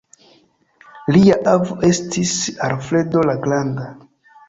Lia avo estis Alfredo la granda.